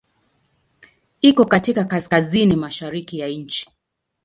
Iko katika kaskazini-mashariki ya nchi.